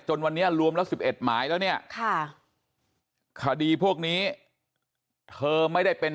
วันนี้รวมแล้ว๑๑หมายแล้วเนี่ยคดีพวกนี้เธอไม่ได้เป็น